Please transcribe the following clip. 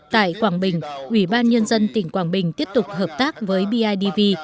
tại quảng bình ủy ban nhân dân tỉnh quảng bình tiếp tục hợp tác với bidv